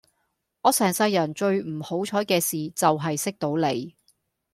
我成世人最唔好彩既事就係識到你